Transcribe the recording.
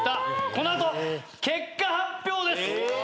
この後結果発表です！